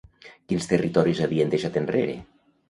Quins territoris havien deixat enrere?